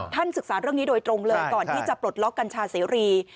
ศึกษาเรื่องนี้โดยตรงเลยก่อนที่จะปลดล็อกกัญชาเสรี